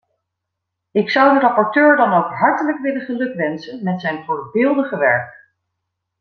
Ik zou de rapporteur dan ook hartelijk willen gelukwensen met zijn voorbeeldige werk.